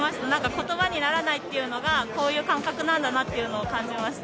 言葉にならないというのがこういう感覚なんだなと思いました。